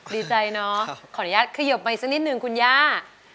ดีใจเนาะขออนุญาตขยบไปอีกสักนิดนึงคุณย่า